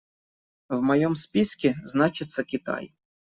В моем списке значится Китай.